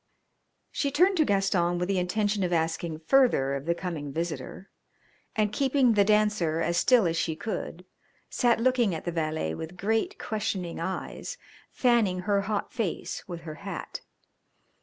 She turned to Gaston with the intention of asking further of the coming visitor, and, keeping The Dancer as still as she could, sat looking at the valet with great, questioning eyes, fanning her hot face with her hat.